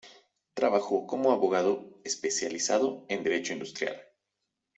Trabajó como abogado, especializado en derecho industrial.